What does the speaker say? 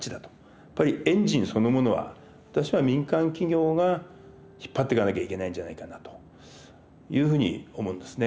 やっぱりエンジンそのものは私は民間企業が引っ張っていかなきゃいけないんじゃないかなというふうに思うんですね。